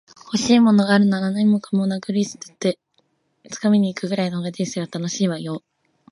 欲しいものがあるなら、何もかもかなぐり捨てて掴みに行くぐらいの方が人生は楽しいわよ